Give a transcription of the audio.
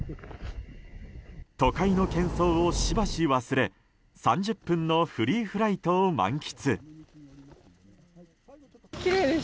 都会の喧騒をしばし忘れ３０分のフリーフライトを満喫。